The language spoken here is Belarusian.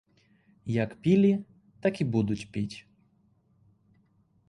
Як пілі, так і будуць піць.